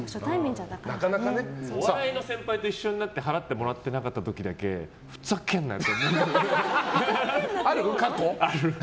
お笑いの先輩と一緒になって払ってもらってなかった時だけふざけんなよってなる。